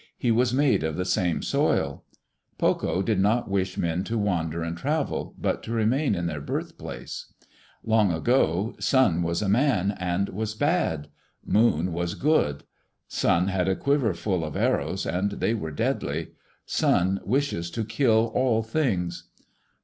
He was made of the same soil. Pokoh did not wish men to wander and travel, but to remain in their birthplace. Long ago, Sun was a man, and was bad. Moon was good. Sun had a quiver full of arrows, and they are deadly. Sun wishes to kill all things.